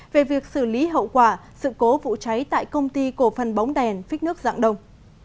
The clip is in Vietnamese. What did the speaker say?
về việc xử lý hậu quả sự cố vụ cháy tại công ty cổ phần bóng đèn phích nước dạng đông